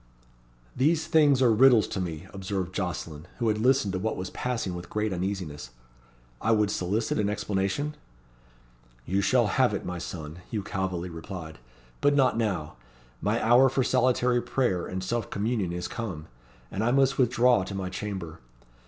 '" "These things are riddles to me," observed Jocelyn, who had listened to what was passing with great uneasiness. "I would solicit an explanation?" "You shall have it, my son," Hugh Calveley replied. "But not now. My hour for solitary prayer and self communion is come, and I must withdraw to my chamber.